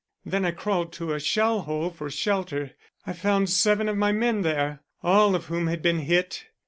Then I crawled to a shell hole for shelter. I found seven of my men there, all of whom had been hit.